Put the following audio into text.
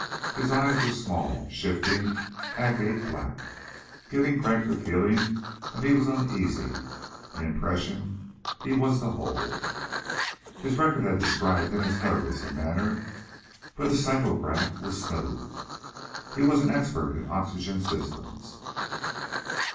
His eyes were small, shifting, agate black, giving Crag the feeling that he was uneasy an impression he was to hold. His record had described him as nervous in manner but his psychograph was smooth. He was an expert in oxygen systems.